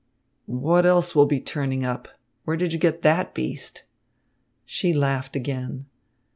"What else will be turning up? Where did you get that beast?" She laughed again.